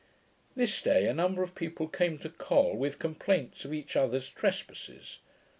This day a number of people came to Col, with complaints of each others' trespasses.